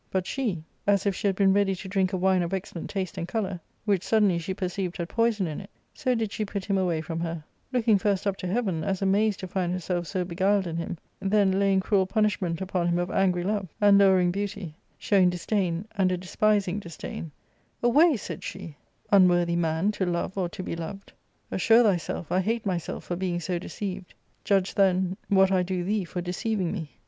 But she, as if she had been ready to drink a wine of excellent taste and colour, which suddenly she perceived had poison in it, so did she put him away from her ; looking first up to heaven, as amazed to find herself so beguiled in him, then laying cruel punishment upon him of angry love, and lowering beauty, showing disdain, and a despising disdain, Away 1" 9aid she, " unworthy man to love or to be loved. Assure thy self, I hate myself for being so deceived ; judge then what I do thee for deceiving me.